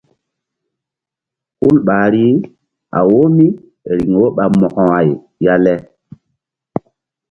Hul ɓahri a wo mí riŋ wo ɓa Mo̧ko-ay ya le.